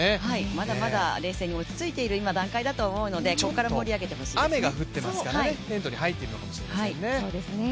まだまだ、冷静に落ち着いている段階だと思うのでちょっと雨が降ってるのでテントに入っているのかもしれませんね。